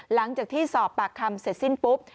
หลังจากที่สอบปากคำเสร็จสิ้นปุ๊บ